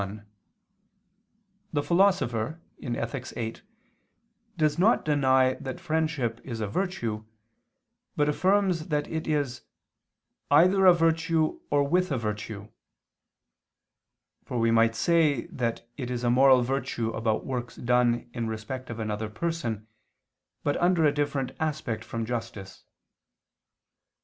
1: The Philosopher (Ethic. viii) does not deny that friendship is a virtue, but affirms that it is "either a virtue or with a virtue." For we might say that it is a moral virtue about works done in respect of another person, but under a different aspect from justice.